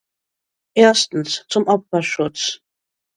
Erstens, zum Opferschutz.